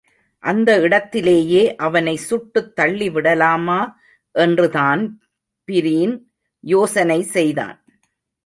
அந்த இடத்திலேயே அவனை சுட்டுத் தள்ளிவிடலாமா என்று தான்பிரீன் யோசனை செய்தான்.